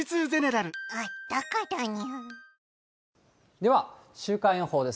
では、週間予報です。